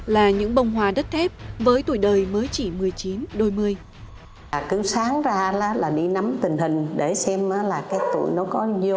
là những bông hòa đất thép với tuổi đời mới chỉ một mươi chín đôi mươi